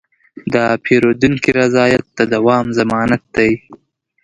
د پیرودونکي رضایت د دوام ضمانت دی.